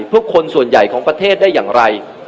คนส่วนใหญ่ของประเทศได้อย่างไร